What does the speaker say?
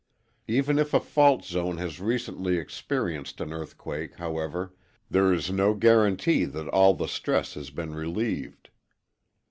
Even if a fault zone has recently experienced an earthquake, however, there is no guarantee that all the stress has been relieved.